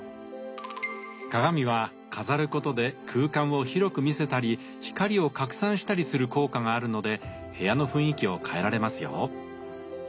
鏡は飾ることで空間を広く見せたり光を拡散したりする効果があるので部屋の雰囲気を変えられますよ。